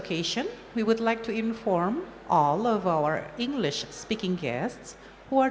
kami ingin memberi informasi kepada semua pelanggan bahasa inggris kami